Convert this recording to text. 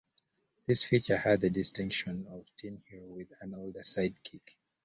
This feature had the distinction of a teen hero with an older sidekick.